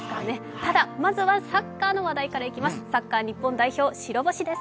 ただ、まずはサッカーの話題からいきます。